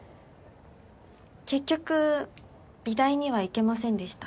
結局美大には行けませんでした。